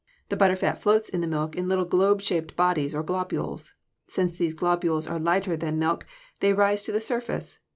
The butter fat floats in the milk in little globe shaped bodies, or globules. Since these globules are lighter than milk, they rise to the surface.